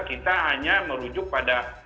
kita hanya merujuk pada